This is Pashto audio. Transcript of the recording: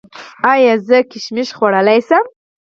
ایا زه ممیز خوړلی شم؟